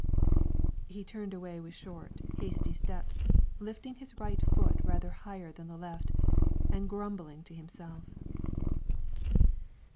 He turned away with short, hasty steps, lifting his right foot rather higher than the left, and grumbling to himself.